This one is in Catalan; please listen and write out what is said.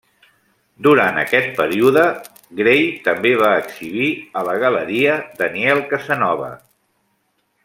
Durant aquest període, Gray també va exhibir a la galeria Daniel Casanova.